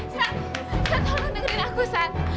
sat sat tolong dengerin aku sat